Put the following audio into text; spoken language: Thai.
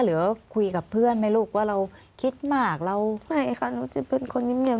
หรือคุยกับเพื่อนไหมลูกว่าเราคิดมากเราไม่ค่ะหนูจะเป็นคนเงียบ